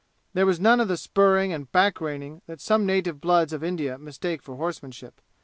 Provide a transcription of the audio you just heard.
There was none of the spurring and back reining that some native bloods of India mistake for horse manship.